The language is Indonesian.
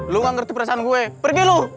lu gak ngerti perasaan gue pergi lo